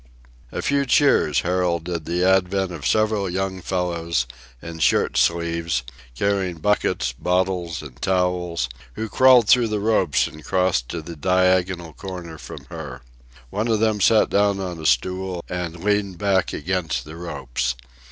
A few cheers heralded the advent of several young fellows, in shirt sleeves, carrying buckets, bottles, and towels, who crawled through the ropes and crossed to the diagonal corner from her. One of them sat down on a stool and leaned back against the ropes.